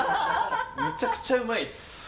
むちゃくちゃうまいです！